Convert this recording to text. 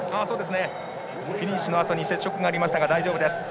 フィニッシュのあとに接触がありましたが大丈夫です。